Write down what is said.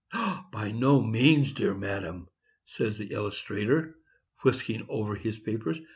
"By no means, my dear madam," says the illustrator, whisking over his papers.